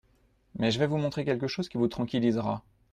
Mais je vais vous montrer quelque chose qui vous tranquillisera.